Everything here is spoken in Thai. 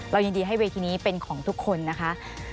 ยินดีให้เวทีนี้เป็นของทุกคนนะคะ